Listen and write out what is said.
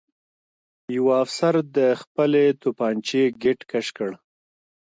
یوه افسر د خپلې توپانچې ګېټ کش کړ